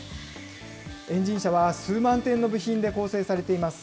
エンジン車は数万点の部品で構成されています。